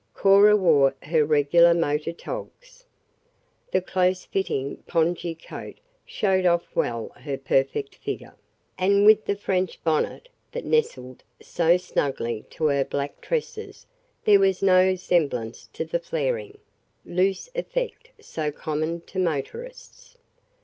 Cora wore her regular motor togs. The close fitting pongee coat showed off well her perfect figure, and with the French bonnet, that nestled so snugly to her black tresses there was no semblance to the flaring, loose effect so common to motorists.